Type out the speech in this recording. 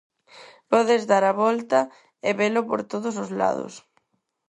Podes dar a volta e velo por todos os lados.